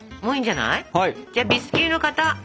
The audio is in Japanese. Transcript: じゃあビスキュイの型！